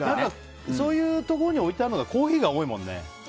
そういうところに置いてあるのがコーヒー多いもんね。